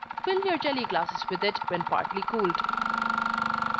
Fill your jelly glasses with it when partly cooled.